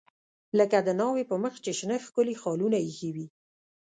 لکه د ناوې په مخ چې شنه ښکلي خالونه ایښي وي.